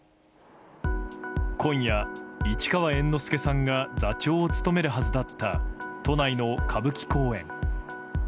今夜、市川猿之助さんが座長を務めるはずだった都内の歌舞伎公演。